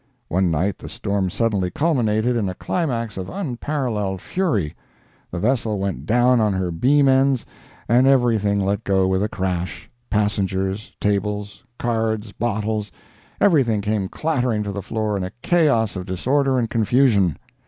One night the storm suddenly culminated in a climax of unparalleled fury; the vessel went down on her beam ends, and everything let go with a crash—passengers, tables, cards, bottles—every thing came clattering to the floor in a chaos of disorder and confusion.